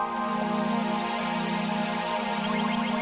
tidak ada yang bisa dikira